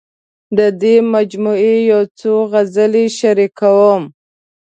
د دې مجموعې یو څو غزلې شریکوم.